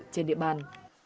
trên địa bàn